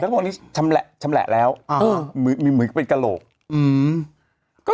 แล้วก็พวกนี้ชำแหละแล้วมีหมึกเป็นกะโหลก